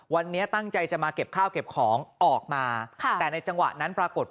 วันนี้ตั้งใจจะมาเก็บข้าวเก็บของออกมาค่ะแต่ในจังหวะนั้นปรากฏ